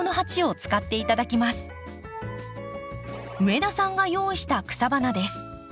上田さんが用意した草花です。